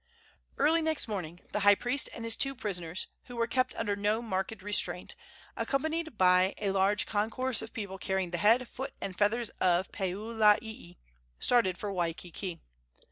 Early next morning the high priest and his two prisoners, who were kept under no marked restraint, accompanied by a large concourse of people carrying the head, foot and feathers of Pueoalii, started for Waikiki.